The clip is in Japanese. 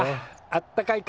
あったかい